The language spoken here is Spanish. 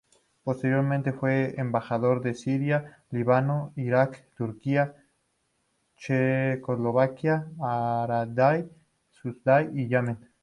Posteriormente fue embajador en Siria, Líbano, Irak, Turquía, Checoslovaquia, Arabia Saudita y Yemen.